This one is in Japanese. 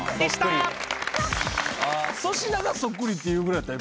粗品がそっくりって言うぐらいやった？